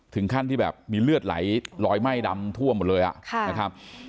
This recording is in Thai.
ถึงขั้นที่แบบมีเลือดไหลลอยไหม้ดำท่วมหมดเลยนะครับ